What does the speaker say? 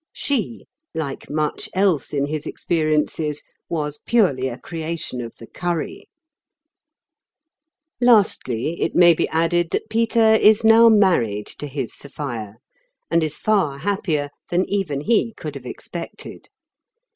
She, like much else in his expe riences, was purely a creation of the curry. Lastly, it may be added that Peter is now married to his Sophia, and is far happier than 192 fEonrmaiin's ime Cheques. even lie could Lave expected.